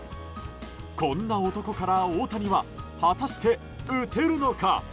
こんな男から大谷は果たして打てるのか。